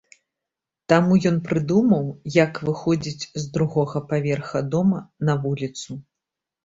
Таму ён прыдумаў, як выходзіць з другога паверха дома на вуліцу.